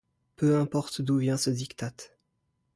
Peu importe d’où vient ce diktat.